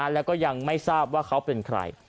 แล้วก็ยังไม่ทราบว่าเขาเป็นใคร